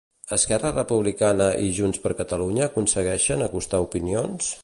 Esquerra Republicana i Junts per Catalunya aconsegueixen acostar opinions?